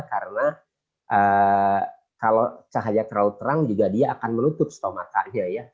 karena kalau cahaya terlalu terang juga dia akan menutup stomatanya